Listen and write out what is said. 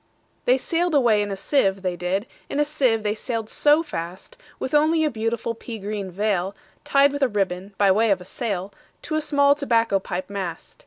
They sail'd away in a sieve, they did, In a sieve they sail'd so fast, With only a beautiful pea green veilTied with a ribbon, by way of a sail, To a small tobacco pipe mast.